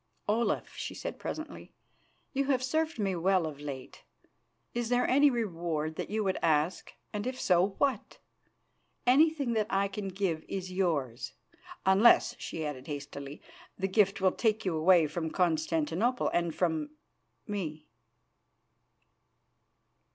"Olaf," she said presently, "you have served me well of late. Is there any reward that you would ask, and if so, what? Anything that I can give is yours, unless," she added hastily, "the gift will take you away from Constantinople and from me."